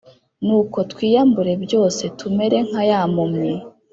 nuko twiyambure byose.tumere nka ya mpumyi,